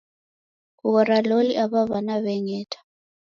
Kughora loli awa wana weng'eta.